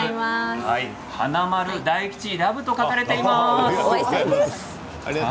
華丸・大吉ラブと書かれています。